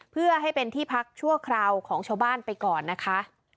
เพื่อให้เป็นที่พักชั่วคราวของชาวบ้านไปก่อนนะคะ